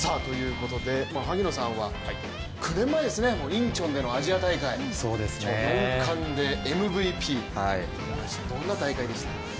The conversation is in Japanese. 萩野さんは９年前ですね、インチョンでのアジア大会、年間のＭＶＰ、どうでしたか？